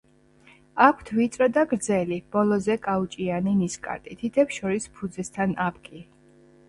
აქვთ ვიწრო და გრძელი, ბოლოზე კაუჭიანი ნისკარტი, თითებს შორის ფუძესთან აპკი.